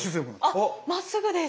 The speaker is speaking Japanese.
あっまっすぐです。